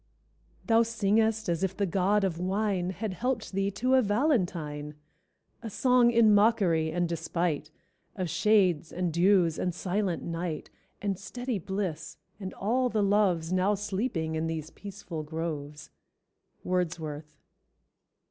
_ "Thou singest as if the God of Wine Had helped thee to a valentine; A song in mockery and despite Of shades and dews and silent night, And steady bliss and all the loves Now sleeping in these peaceful groves." —_Wordsworth.